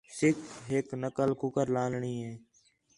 سِکھ ہِک نقل کُکر لالݨی ہِے